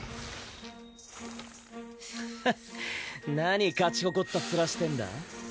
ふっ何勝ち誇った面してんだ？